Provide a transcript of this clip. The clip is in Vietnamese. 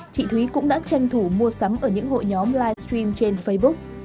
chị thúy cũng đã tranh thủ mua sắm ở những hội nhóm livestream trên facebook